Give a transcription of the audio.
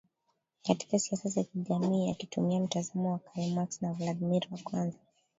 Katika siasa za kijamaa akitumia mtazamo wa Karl Max na Vladimir wa kwanza